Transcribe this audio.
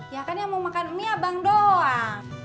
ya kan yang mau makan mie abang doang